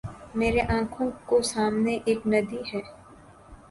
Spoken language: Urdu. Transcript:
میرے آنکھوں کو سامنے ایک ندی ہے